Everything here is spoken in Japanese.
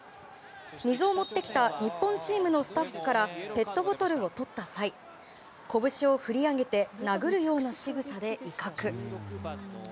水を持ってきた日本チームのスタッフからペットボトルを取った際拳を振り上げて殴るようなしぐさで威嚇。